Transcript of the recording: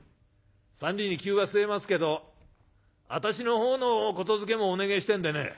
三里に灸は据えますけどあたしのほうの言づけもお願えしてえんでね」。